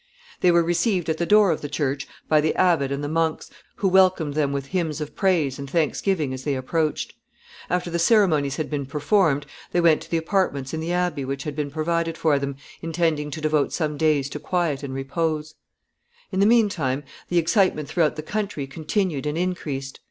They were received at the door of the church by the abbot and the monks, who welcomed them with hymns of praise and thanksgiving as they approached. After the ceremonies had been performed, they went to the apartments in the abbey which had been provided for them, intending to devote some days to quiet and repose. [Sidenote: Great excitement.] In the mean time the excitement throughout the country continued and increased.